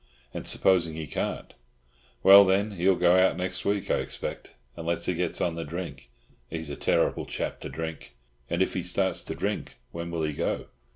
"And supposing he can't?" "Well, then, he'll go out next week, I expect, unless he gets on the drink. He's a terrible chap to drink." "And if he starts to drink, when will he go?"